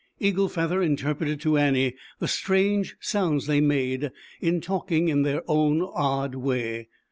Eagle Feather interpreted to Annie the strange sounds they made in talking in their own odd way.